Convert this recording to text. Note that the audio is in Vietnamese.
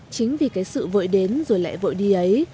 chính vì cái sự vội đến rồi lẽ vội đi ấy